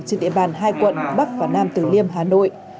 trên địa bàn hai quận bắc và nam tử liêm hà nội